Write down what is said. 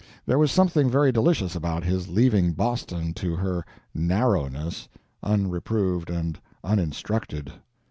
There was something very delicious about his leaving Boston to her "narrowness," unreproved and uninstructed.